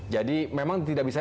jadi memang tidak bisa